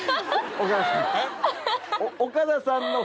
・岡田さん。